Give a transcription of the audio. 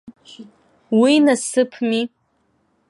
Уи насыԥми.